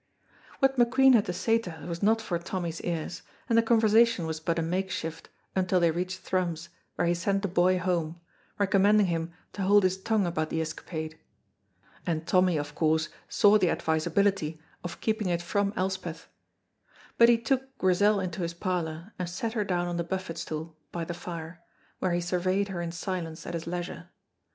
What McQueen had to say to her was not for Tommy's ears, and the conversation was but a makeshift until they reached Thrums, where he sent the boy home, recommending him to hold his tongue about the escapade (and Tommy of course saw the advisability of keeping it from Elspeth); but he took Grizel into his parlor and set her down on the buffet stool by the fire, where he surveyed her in silence at his leisure.